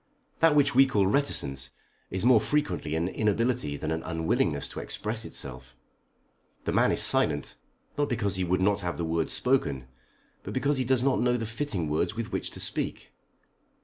That which we call reticence is more frequently an inability than an unwillingness to express itself. The man is silent, not because he would not have the words spoken, but because he does not know the fitting words with which to speak.